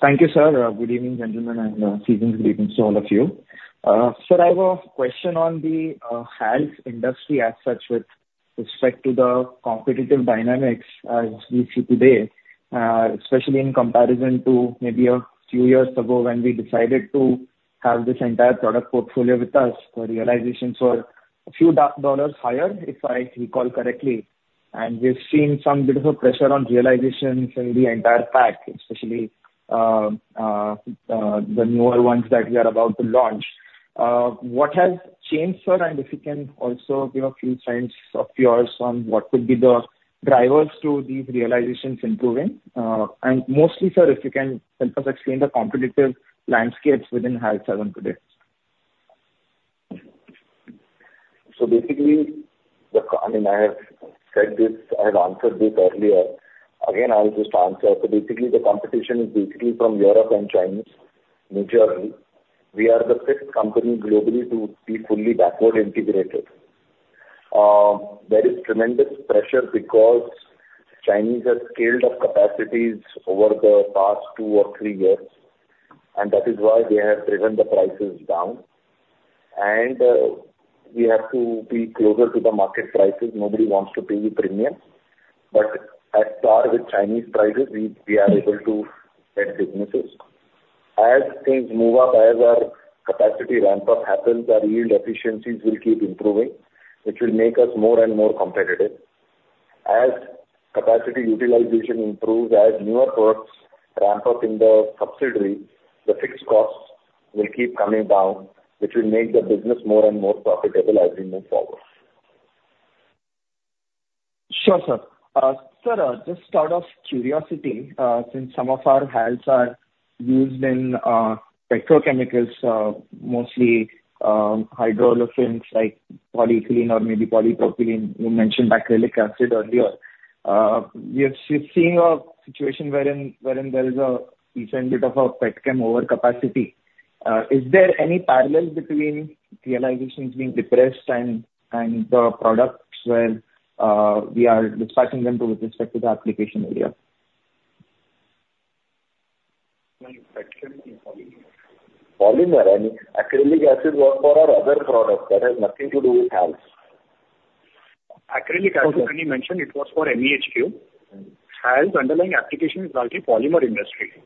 Thank you, sir. Good evening, gentlemen, and season's greetings to all of you. Sir, I have a question on the HALS industry as such with respect to the competitive dynamics as we see today, especially in comparison to maybe a few years ago when we decided to have this entire product portfolio with us. The realizations were a few dollars higher, if I recall correctly. We've seen some bit of a pressure on realizations in the entire pack, especially the newer ones that we are about to launch. What has changed, sir? And if you can also give a few sense of yours on what could be the drivers to these realizations improving? And mostly, sir, if you can help us explain the competitive landscapes within HALS as of today. So basically, I mean, I have said this. I had answered this earlier. Again, I'll just answer. So basically, the competition is basically from Europe and China, majorly. We are the fifth company globally to be fully backward integrated. There is tremendous pressure because Chinese have scaled up capacities over the past two or three years, and that is why they have driven the prices down. And we have to be closer to the market prices. Nobody wants to pay the premium. But as far as Chinese prices, we are able to set businesses. As things move up, as our capacity ramp-up happens, our yield efficiencies will keep improving, which will make us more and more competitive. As capacity utilization improves, as newer products ramp up in the subsidiary, the fixed costs will keep coming down, which will make the business more and more profitable as we move forward. Sure, sir. Sir, just out of curiosity, since some of our HALS are used in petrochemicals, mostly hydrocarbons like polyethylene or maybe polypropylene, you mentioned acrylic acid earlier. We have seen a situation wherein there is a decent bit of a pet chem overcapacity. Is there any parallel between realizations being depressed and the products where we are dispatching them to with respect to the application area? Polymer. I mean, acrylic acid was for our other product. That has nothing to do with HALS. Acrylic acid, when you mentioned, it was for MEHQ. HALS underlying application is largely polymer industry.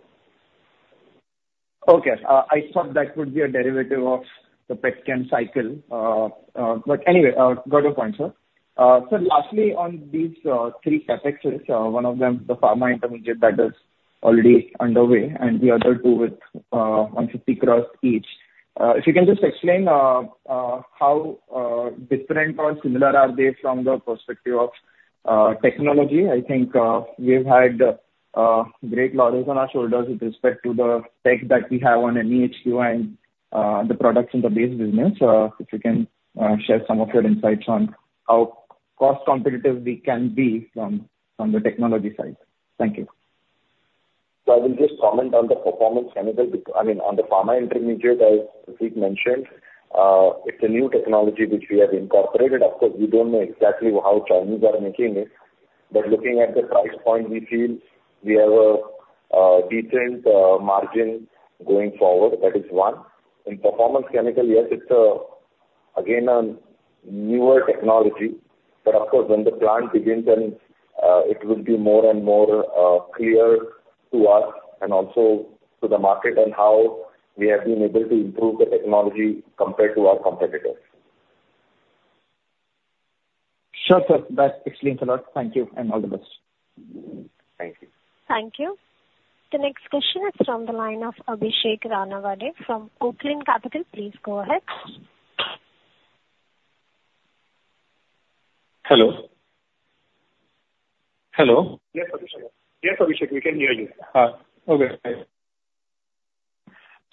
Okay. I thought that would be a derivative of the petrochemical cycle. But anyway, got a point, sir. So lastly, on these three CapExes, one of them is the pharma intermediate that is already underway, and the other two with 150 crores each. If you can just explain how different or similar are they from the perspective of technology. I think we've had great laurels on our shoulders with respect to the tech that we have on MEHQ and the products in the base business. If you can share some of your insights on how cost-competitive we can be from the technology side. Thank you. So I will just comment on the performance chemical. I mean, on the pharma intermediate, as Pratik mentioned, it's a new technology which we have incorporated. Of course, we don't know exactly how Chinese are making it. But looking at the price point, we feel we have a decent margin going forward. That is one. In performance chemical, yes, it's again a newer technology. But of course, when the plant begins, then it will be more and more clear to us and also to the market on how we have been able to improve the technology compared to our competitors. Sure, sir. That explains a lot. Thank you, and all the best. Thank you. Thank you. The next question is from the line of Abhishek Ranawade from Okane Capital. Please go ahead. Hello. Hello. Yes, Abhishek. We can hear you. Hi. Okay.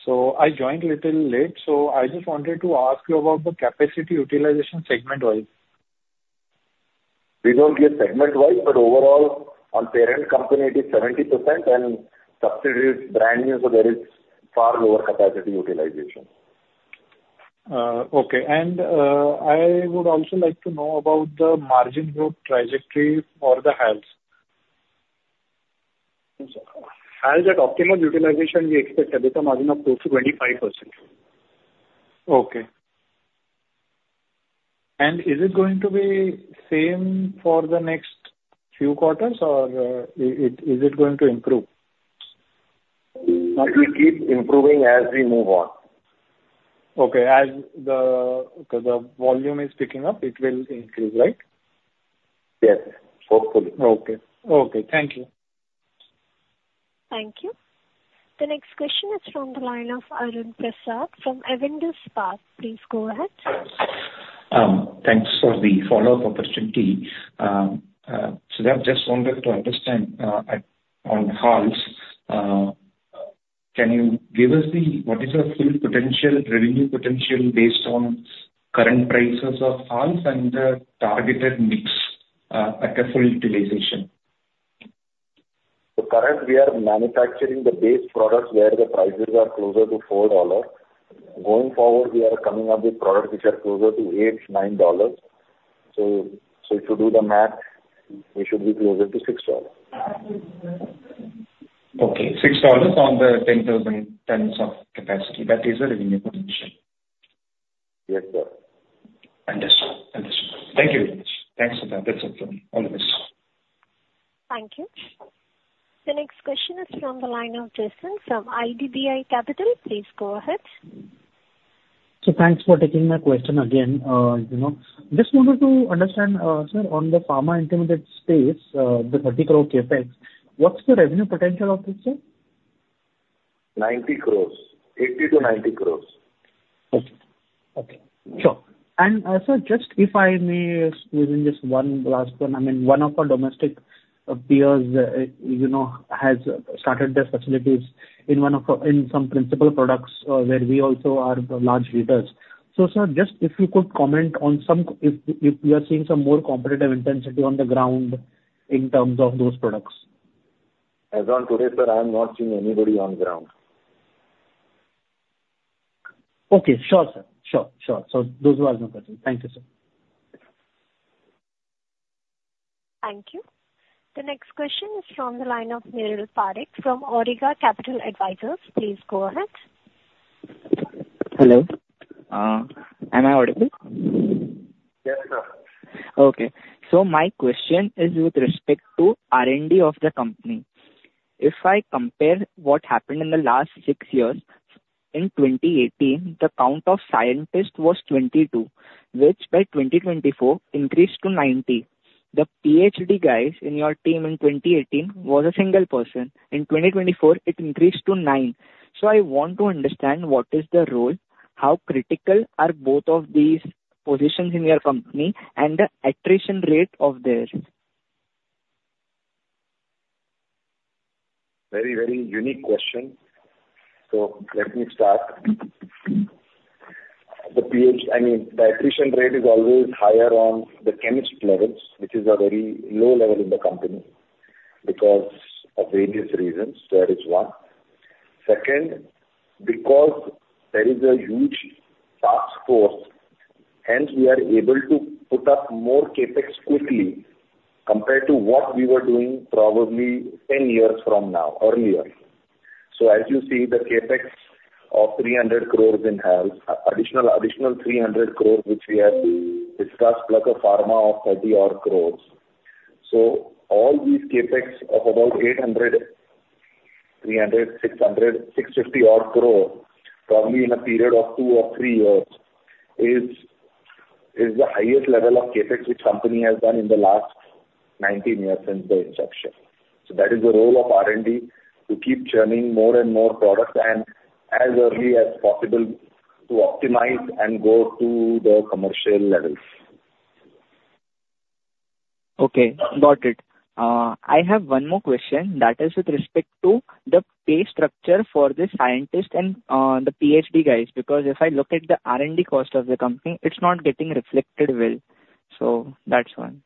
So I joined a little late, so I just wanted to ask you about the capacity utilization segment-wise. We don't get segment-wise, but overall, on parent company, it is 70%, and subsidiary is brand new, so there is far lower capacity utilization. Okay, and I would also like to know about the margin growth trajectory for the HALS. HALS at optimal utilization, we expect an EBITDA margin of close to 25%. Okay. And is it going to be the same for the next few quarters, or is it going to improve? It will keep improving as we move on. Okay. Because the volume is picking up, it will increase, right? Yes. Hopefully. Okay. Okay. Thank you. Thank you. The next question is from the line of Arun Prasad from Avendus Spark. Please go ahead. Thanks for the follow-up opportunity. Siddharth, just wanted to understand on HALS, can you give us what is the full revenue potential based on current prices of HALS and the targeted mix at the full utilization? So, currently, we are manufacturing the base products where the prices are closer to $4. Going forward, we are coming up with products which are closer to $8, $9. So if you do the math, we should be closer to $6. Okay. $6 on the 10,000 tons of capacity. That is the revenue potential. Yes, sir. Understood. Understood. Thank you very much. Thanks, Siddharth. That's all from me. All the best. Thank you. The next question is from the line of Jason from IDBI Capital. Please go ahead. So thanks for taking my question again. Just wanted to understand, sir, on the pharma intermediate space, the 30 crore CapEx, what's the revenue potential of it, sir? INR 80-90 crores. Okay. Okay. Sure. And sir, just if I may, within just one last one, I mean, one of our domestic peers has started their facilities in some principal products where we also are large leaders. So sir, just if you could comment on if you are seeing some more competitive intensity on the ground in terms of those products. As of today, sir, I am not seeing anybody on the ground. Okay. Sure, sir. Sure. Sure. So those were my questions. Thank you, sir. Thank you. The next question is from the line of Niral Parekh from Auriga Capital Advisors. Please go ahead. Hello. Am I audible? Yes, sir. Okay, so my question is with respect to R&D of the company. If I compare what happened in the last six years, in 2018, the count of scientists was 22, which by 2024 increased to 90. The PhD guys in your team in 2018 was a single person. In 2024, it increased to nine, so I want to understand what is the role, how critical are both of these positions in your company, and the attrition rate of theirs? Very, very unique question. So let me start. I mean, the attrition rate is always higher on the chemist levels, which is a very low level in the company because of various reasons. There is one. Second, because there is a huge task force, hence we are able to put up more CapEx quickly compared to what we were doing probably 10 years from now, earlier. So as you see, the CapEx of 300 crore in HALS, additional 300 crore which we have discussed, plus a pharma of 30-odd crore. So all these CapEx of about 800, 300, 600, 650-odd crore, probably in a period of two or three years, is the highest level of CapEx which company has done in the last 19 years since the inception. So that is the role of R&D to keep churning more and more products and as early as possible to optimize and go to the commercial levels. Okay. Got it. I have one more question. That is with respect to the pay structure for the scientists and the PhD guys. Because if I look at the R&D cost of the company, it's not getting reflected well. So that's one.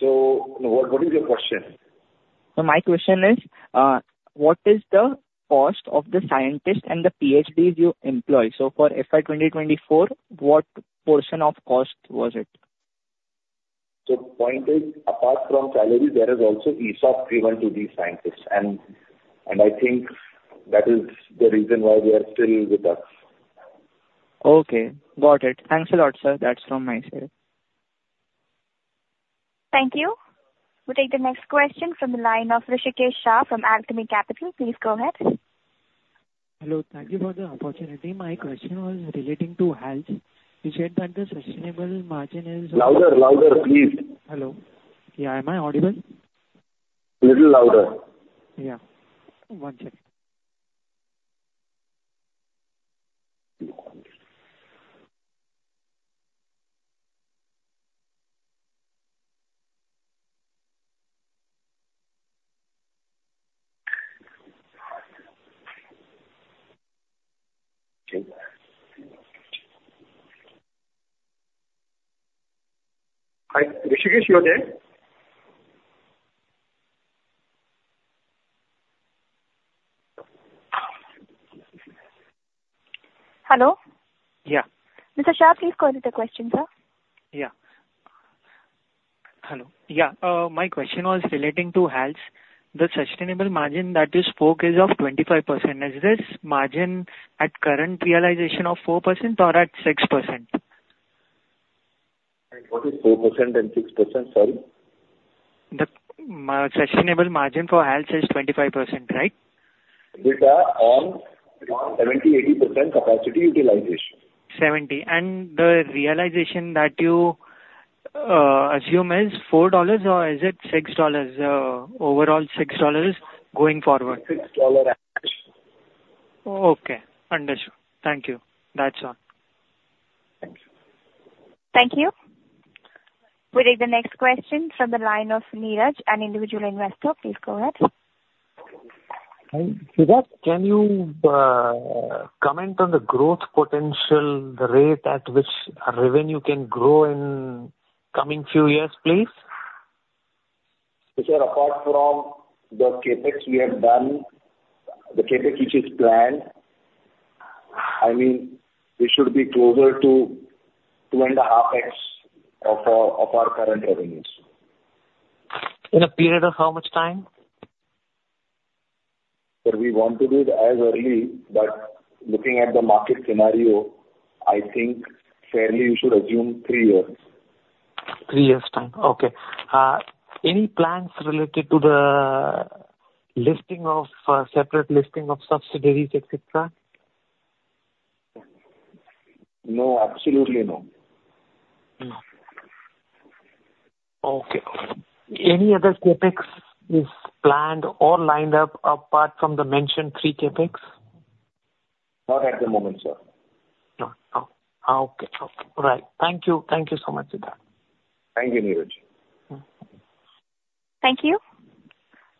What is your question? So my question is, what is the cost of the scientists and the PhDs you employ? So for FY 2024, what portion of cost was it? So point is, apart from salary, there is also ESOP given to these scientists. And I think that is the reason why they are still with us. Okay. Got it. Thanks a lot, sir. That's from my side. Thank you. We'll take the next question from the line of Rishikesh Shah from Alchemy Capital. Please go ahead. Hello. Thank you for the opportunity. My question was relating to HALS. You said that the sustainable margin is. Louder, louder, please. Hello. Yeah. Am I audible? A little louder. Yeah. One second. Hi, Rishikesh, you are there? Hello? Yeah. Mr. Shah, please go ahead with the question, sir. Yeah. Hello. Yeah. My question was relating to HALS. The sustainable margin that you spoke is of 25%. Is this margin at current realization of 4% or at 6%? What is 4% and 6%, sorry? The sustainable margin for HALS is 25%, right? These are on 70%-80% capacity utilization. The realization that you assume is $4, or is it $6 overall, $6 going forward? $6 average. Okay. Understood. Thank you. That's all. Thank you. Thank you. We'll take the next question from the line of Neeraj, an individual investor. Please go ahead. Siddharth, can you comment on the growth potential, the rate at which revenue can grow in coming few years, please? Sir, apart from the CapEx we have done, the CapEx which is planned, I mean, we should be closer to 2.5x of our current revenues. In a period of how much time? Sir, we want to do it as early, but looking at the market scenario, I think fairly you should assume three years. Three years' time. Okay. Any plans related to the separate listing of subsidiaries, etc.? No. Absolutely no. No. Okay. Any other CapEx is planned or lined up apart from the mentioned three CapEx? Not at the moment, sir. No. Okay. All right. Thank you. Thank you so much, Siddharth. Thank you, Neeraj. Thank you.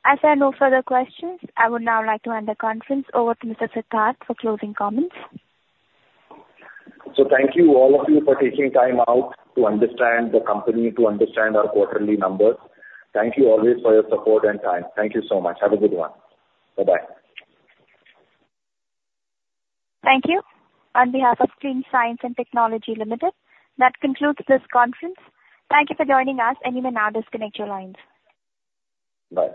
As there are no further questions, I would now like to hand the conference over to Mr. Siddharth for closing comments. So thank you, all of you, for taking time out to understand the company, to understand our quarterly numbers. Thank you always for your support and time. Thank you so much. Have a good one. Bye-bye. Thank you. On behalf of Clean Science and Technology Limited, that concludes this conference. Thank you for joining us. And you may now disconnect your lines. Bye.